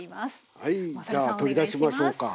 じゃあ取り出しましょうか。